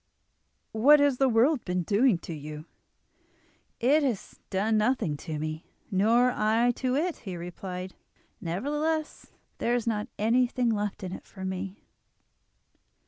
"What has the world been doing to you?" "It has done nothing to me, nor I to it," he replied. "Nevertheless there is not anything left in it for me."